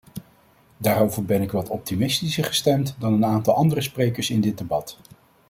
Daarover ben ik wat optimistischer gestemd dan een aantal andere sprekers in dit debat.